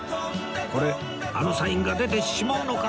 これあのサインが出てしまうのか？